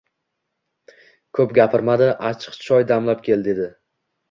— Ko‘p gapirma-da, achchiq choy damlab kel, — dedi.